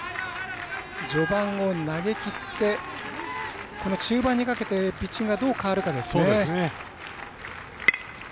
序盤を投げきってこの中盤にかけてピッチングがどう変わるかですね。